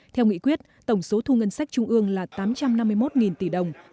theo nghị quyết tổng số thu ngân sách trung ương là tám trăm năm mươi một tỷ đồng